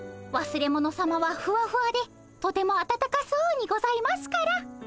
忘れ物さまはふわふわでとてもあたたかそうにございますから。